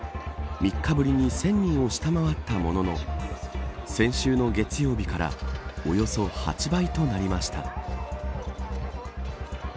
３日ぶりに１０００人を下回ったものの先週の月曜日からおよそ８倍となりました。